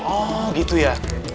oh gitu ya